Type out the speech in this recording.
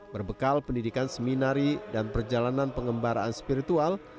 berbekal pendidikan seminari dan perjalanan pengembaraan spiritual